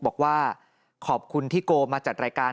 บอกว่าขอบคุณที่โกมาจัดรายการ